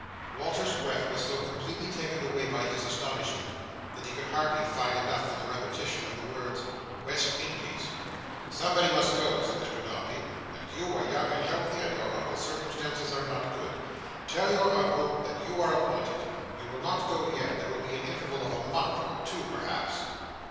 Walter's breath was so completely taken away by his astonishment, that he could hardly find enough for the repetition of the words "West Indies." "Somebody must go," said Mr Dombey, "and you are young and healthy, and your Uncle's circumstances are not good. Tell your Uncle that you are appointed. You will not go yet. There will be an interval of a month—or two perhaps."